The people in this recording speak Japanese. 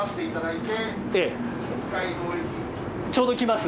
ちょうど来ます？